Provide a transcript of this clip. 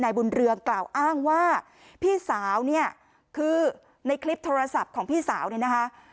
บุญเรืองกล่าวอ้างว่าพี่สาวเนี่ยคือในคลิปโทรศัพท์ของพี่สาวเนี่ยนะคะ